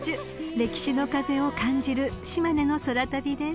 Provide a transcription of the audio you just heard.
［歴史の風を感じる島根の空旅です］